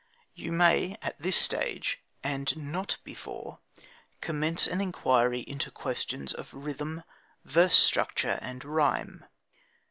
You may at this stage (and not before) commence an inquiry into questions of rhythm, verse structure, and rhyme.